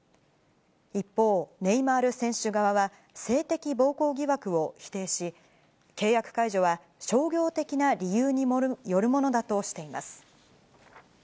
一方、ネイマール選手側は、性的暴行疑惑を否定し、契約解除は商業的な理由によるものだとしています。